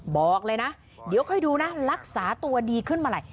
บอกเลยนะเดี๋ยวค่อยดูนะรักษาตัวดีขึ้นเมื่อไหร่